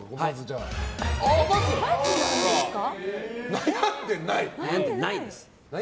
悩んでないです。